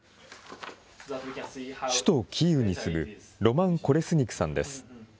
首都キーウに住むロマン・コレスニクさんです。